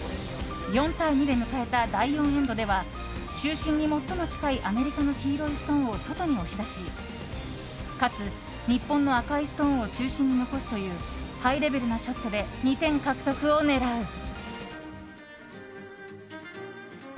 ４対２で迎えた第４エンドでは中心に最も近いアメリカの黄色いストーンを外に押し出しかつ、日本の赤いストーンを中心に残すというハイレベルなショットで２点獲得を狙う。